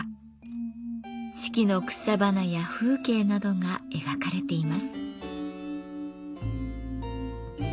四季の草花や風景などが描かれています。